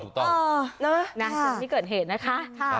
น้ำมันมีเกิดเหตุนะคะ